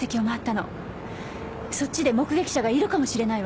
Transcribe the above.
そっちで目撃者がいるかもしれないわ。